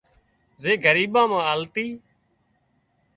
زي ڳريٻان مان آلتي